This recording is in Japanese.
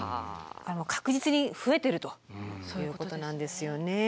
確実に増えてるということなんですよね。